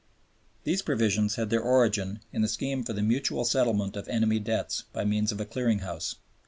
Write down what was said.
These provisions had their origin in the scheme for the mutual settlement of enemy debts by means of a Clearing House.